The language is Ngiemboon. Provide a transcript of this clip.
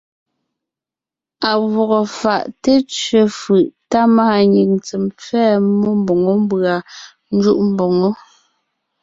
À gwɔgɔ fáʼ té tsẅe fʉʼ tá máanyìŋ tsem pfɛ́ɛ mmó mbʉ̀a ńjúʼ mboŋó.